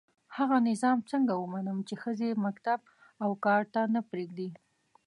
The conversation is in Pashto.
هغه نظام څنګه ومنم چي ښځي مکتب او کار ته نه پزېږدي